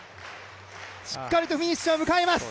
しっかりとフィニッシュを迎えます。